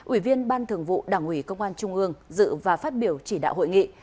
ủy viên ban thường vụ đảng ủy công an trung ương dự và phát biểu chỉ đạo hội nghị